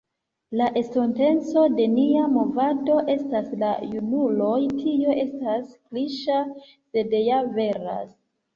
La estonteco de nia movado estas la junuloj, tio estas kliŝa sed ja veras.